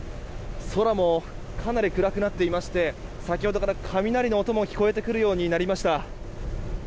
空もかなり暗くなっていまして先ほどから雷の音も聞こえてくるようになりました。